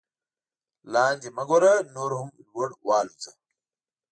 لاندې مه ګوره نور هم لوړ والوځه.